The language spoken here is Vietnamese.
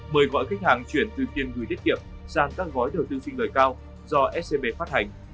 mời gọi khách hàng chuyển từ tiền gửi tiết kiệm sang các gói đầu tư sinh đời cao do scb phát hành